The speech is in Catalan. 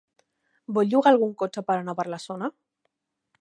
Vol llogar algun cotxe per anar per la zona?